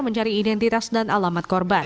mencari identitas dan alamat korban